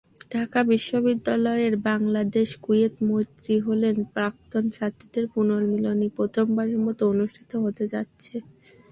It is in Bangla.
ঢাকা বিশ্ববিদ্যালয়ের বাংলাদেশ-কুয়েত মৈত্রী হলের প্রাক্তন ছাত্রীদের পুনর্মিলনী প্রথমবারের মতো অনুষ্ঠিত হতে যাচ্ছে।